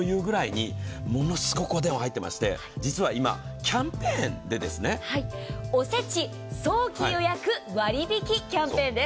ものすごくお電話が入っていまして、実は今キャンペーンでねおせち早期予約割引キャンペーンです。